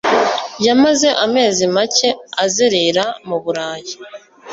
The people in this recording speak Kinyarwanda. Yamaze amezi make azerera mu Burayi.